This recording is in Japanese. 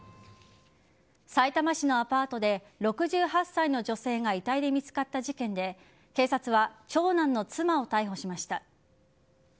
さいたま市のアパートで６８歳の女性が遺体で見つかった事件で警察は長男の妻を逮捕しました。